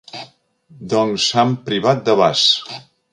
Doncs Sant Privat de Bas»...